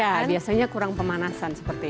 ya biasanya kurang pemanasan seperti itu